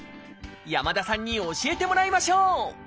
山田さんに教えてもらいましょう！